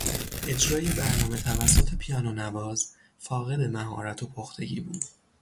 اجرای برنامه توسط پیانو نواز فاقد مهارت و پختگی بود.